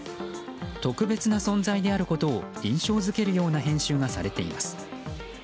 特別な存在であることを印象付けるような編集がされています。